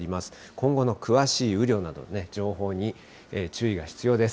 今後の詳しい雨量など、情報に注意が必要です。